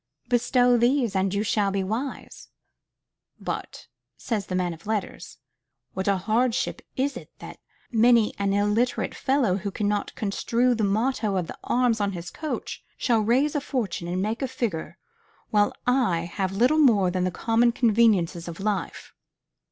Bestow these, and you shall be wise. "But" (says the man of letters) "what a hardship is it that many an illiterate fellow who cannot construe the motto of the arms on his coach, shall raise a fortune and make a figure, while I have little more than the common conveniences of life."